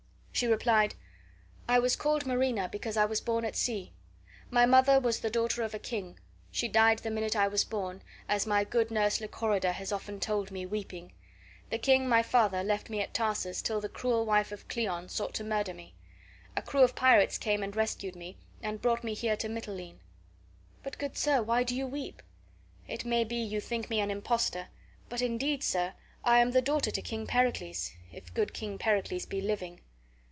She replied: "I was called Marina because I was born at sea. My mother was the daughter of a king; she died the minute I was born, as my good nurse Lychorida has often told me, weeping. The king, my father, left me at Tarsus till the cruel wife of Cleon sought to murder me. A crew of pirates came and rescued me and brought me here to Mitylene. But, good sir, why do you weep? It may be you think me an impostor. But indeed, sir, I am the daughter to King Pericles, if good King Pericles be living."